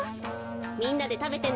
みんなでたべてね。